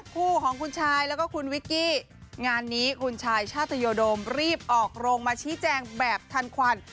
คู่ของคุณชายแล้วก็คุณวิกกี้งานนี้คุณชายชาตยโดมรีบออกโรงมาชี้แจงแบบทันควัน